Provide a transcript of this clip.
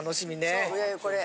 そう上これ！